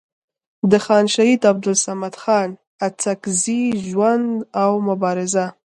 د خان شهید عبدالصمد خان اڅکزي ژوند او مبارزه